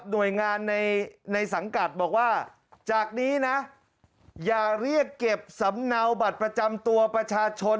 หน่วยงานในสังกัดบอกว่าจากนี้นะอย่าเรียกเก็บสำเนาบัตรประจำตัวประชาชน